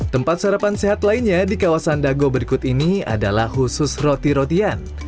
tempat sarapan sehat lainnya di kawasan dago berikut ini adalah khusus roti rotian